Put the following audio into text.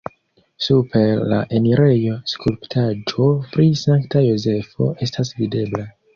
Super la enirejo skulptaĵo pri Sankta Jozefo estas videbla.